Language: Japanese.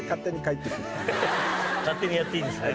勝手にやっていいんですね。